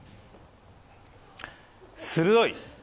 鋭い！